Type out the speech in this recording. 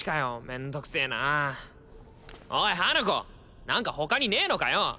めんどくせえなあおい花子何か他にねえのかよ？